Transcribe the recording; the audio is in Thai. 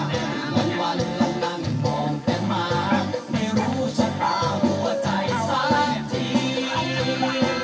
บางวันเรานั่งมองกันมาไม่รู้ชะตาหัวใจสักที